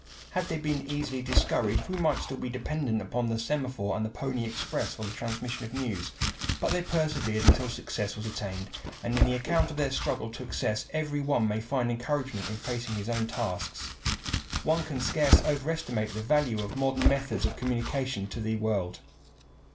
Had they been easily discouraged we might still be dependent upon the semaphore and the pony express for the transmission of news. But they persevered until success was attained, and in the account of their struggle to success every one may find encouragement in facing his own tasks. One can scarce overestimate the value of modern methods of communication to the world.